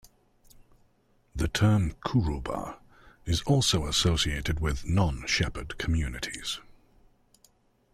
The term kuruba is also associated with non-shepherd communities.